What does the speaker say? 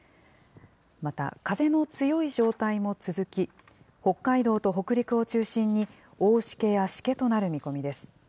また、風の強い状態も続き、北海道と北陸を中心に大しけやしけとなる見込みです。